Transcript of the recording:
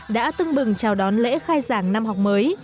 đã tưng bừng chào đón lễ khai giảng năm học mới